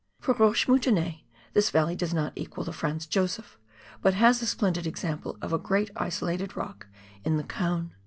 For rochcs moutonnees this valley does not equal the Franz Josef, but has a splendid example of a great isolated rock in the Cone.